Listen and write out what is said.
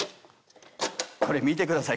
これ見てください